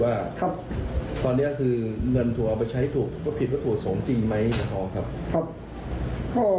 ตามที่เขาร้องเรียนเรียนจริงไหมฮอลค์